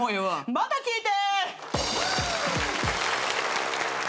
また聞いて！